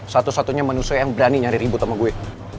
satu satunya manusia yang berani nyari ribut sama gue